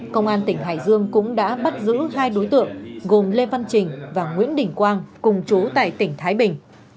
công an tỉnh hải dương cũng đã bắt giữ hai đối tượng gồm lê văn trình và nguyễn đình quang cùng chú tại tỉnh thái bình